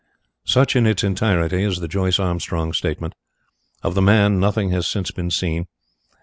Such in its entirety is the Joyce Armstrong Statement. Of the man nothing has since been seen.